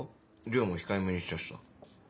量も控えめにしたしさ。